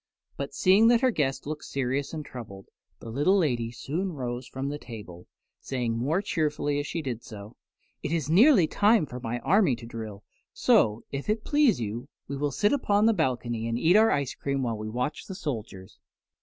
But seeing that her guests looked serious and troubled, the little lady soon rose from the table, saying more cheerfully as she did so, "It is nearly time for my army to drill, so, if it please you, we will sit upon the balcony and eat our ice cream while we watch the soldiers."